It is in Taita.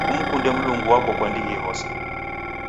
Kumkunde Mlungu wako kwa dighi rose.